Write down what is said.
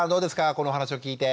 この話を聞いて。